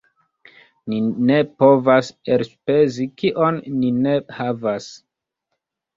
Ni ne povas elspezi kion ni ne havas.